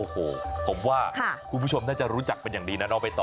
ผมว่าคุณผู้ชมน่าจะรู้จักมันอย่างดีนะนอกไปต่อ